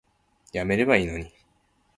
やめればいいのに